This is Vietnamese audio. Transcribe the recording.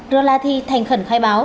rolati thành khẩn khai báo